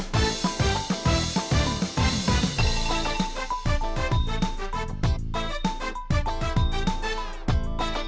เต้นด้วยเต้นด้วย